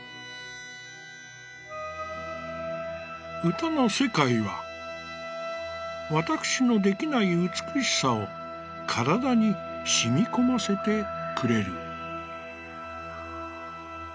「歌の世界はわたくしの出来ない美しさを身体にしみこませてくれる」。